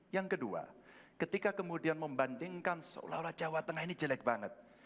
yang kedua ketika kemudian membandingkan seolah olah jawa tengah ini jelek banget